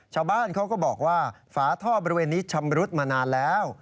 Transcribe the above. ชาวบ้านเขาก็บอกว่าฝาท่อบริเวณนี้ชำรุดมานานแล้ว